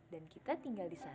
dan kita tinggal di sana